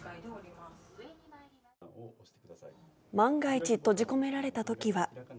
万が一、閉じ込められたときには。